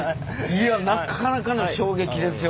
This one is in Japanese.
いやなかなかの衝撃ですよ。